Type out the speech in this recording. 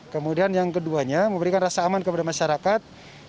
kemudian yang keduanya memberikan rasa aman kepada masyarakat